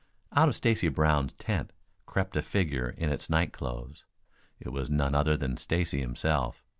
Out of Stacy Brown's tent crept a figure in its night clothes. It was none other than Stacy himself.